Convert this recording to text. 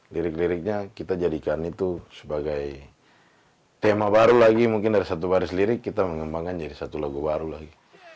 lirik liriknya kita jadikan itu sebagai tema baru lagi mungkin dari satu baris lirik kita mengembangkan jadi satu logo baru lagi